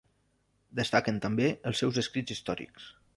Destaquen també els seus escrits històrics.